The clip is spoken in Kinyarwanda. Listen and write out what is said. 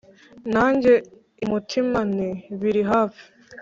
nanjye imutima nti " biri hafi,